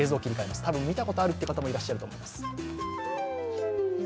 多分見たことあるって方もいらっしゃるかと思います。